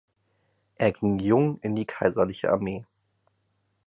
Er ging jung in die kaiserliche Armee.